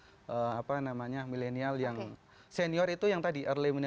jadi kalau kita berpikir milenial itu yang senior itu yang tadi early milenial